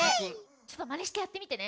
ちょっとマネしてやってみてね。